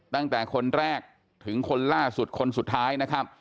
ตั้งแต่คนแรกถึงคนล่าสุดคนสุดท้ายนะครับ